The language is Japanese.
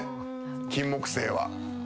キンモクセイは。